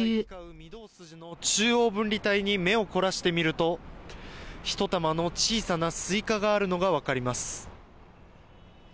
御堂筋の中央分離帯に目を凝らしてみると、一玉の小さなスイカがあるのが分かります。